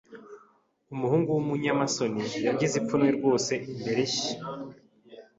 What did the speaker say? Umuhungu wumunyamasoni yagize ipfunwe rwose imbere ye.